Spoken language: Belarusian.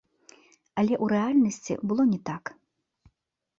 Але ў рэальнасці было не так.